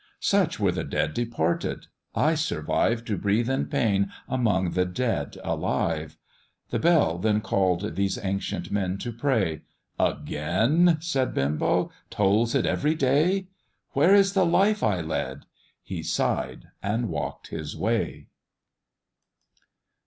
"Such were the dead departed; I survive, To breathe in pain among the dead alive." The bell then call'd these ancient men to pray, "Again!" said Benbow, "tolls it every day? Where is the life I led?" He sigh'd and walk'd his way.